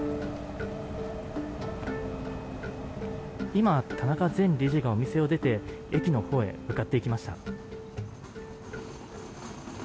今、田中前理事がお店を出て駅のほうへ向かっていきました。